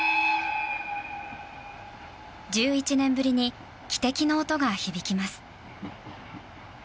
１１年ぶりに汽笛の音が響きます。